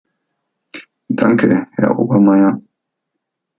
Danke, Herr Obermayr.